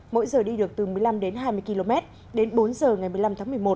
mỗi giờ đi được từ một mươi năm đến hai mươi km đến bốn giờ ngày một mươi năm tháng một mươi một